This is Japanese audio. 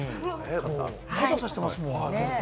傘さしてますもん。